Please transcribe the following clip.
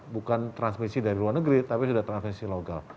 bukan transmisi dari luar negeri tapi sudah transmisi lokal